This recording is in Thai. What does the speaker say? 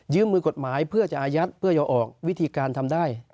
มือกฎหมายเพื่อจะอายัดเพื่อจะออกวิธีการทำได้